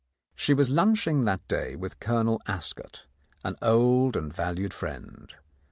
She was lunching that day with Colonel Ascot, an old and valued friend.